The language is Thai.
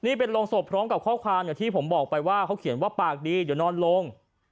นี่เป็นโรงศพพร้อมกับข้อความอย่างที่ผมบอกไปว่าเขาเขียนว่าปากดีเดี๋ยวนอนลง